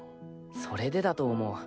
それでだと思う。